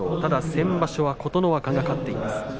先場所、琴ノ若が勝っています。